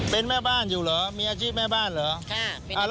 เป็นแม่บ้านอยู่เหรอมีอาชีพแม่บ้านเหรอ